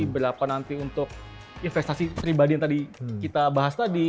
berlaku nanti untuk investasi pribadi yang tadi kita bahas tadi